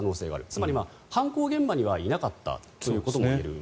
つまり犯行現場にはいなかったということです。